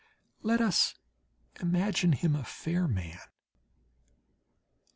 Let us imagine him a fair man.